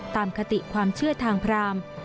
คติความเชื่อทางพราม